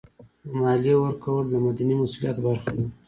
د مالیې ورکول د مدني مسؤلیت برخه ده.